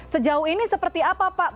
sejauh ini seperti apa pak